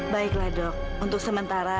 baiklah dok untuk sementara